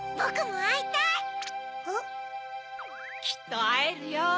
きっとあえるよ。